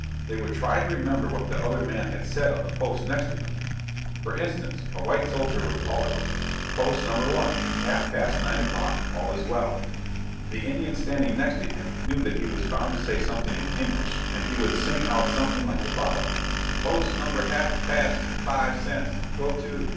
They would try to remember what the other man had said on the post next to them. For instance, a white soldier would call out: "Post No. I, half past nine o'clock, all is well!" The Indian standing next to him knew that he was bound to say something in English, and he would sing out something like the following: "Poss number half pass five cents go to